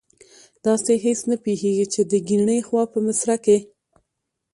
داسې هېڅ نه پیښیږي چې د کیڼي خوا په مصره کې.